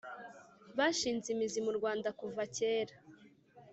bashinze imizi mu rwanda kuva kera